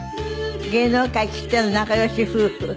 芸能界きっての仲良し夫婦。